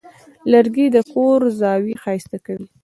لرګی د کور زاویې ښایسته کوي.